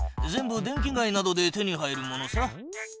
全部電気街などで手に入るものさ。